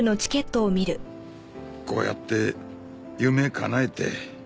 こうやって夢かなえて。